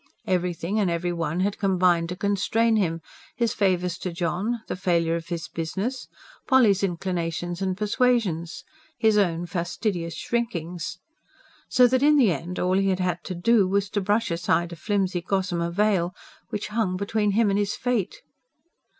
Everything and every one had combined to constrain him: his favours to John, the failure of his business, Polly's inclinations and persuasions, his own fastidious shrinkings. So that, in the end, all he had had to do was to brush aside a flimsy gossamer veil, which hung between him and his fate.